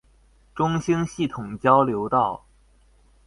中興系統交流道